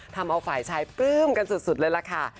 ทำเอาฝ่ายชายปลื้มกันสุดเลยล่ะค่ะ